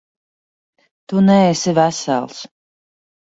Tu neesi vesels.